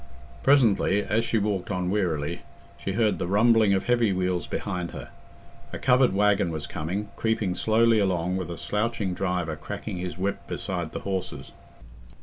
Presently, as she walked on wearily, she heard the rumbling of heavy wheels behind her; a covered waggon was coming, creeping slowly along with a slouching driver cracking his whip beside the horses.